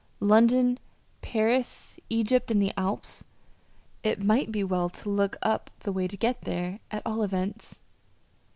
London, Paris, Egypt, and the Alps it might be well to look up the way to get there, at all events.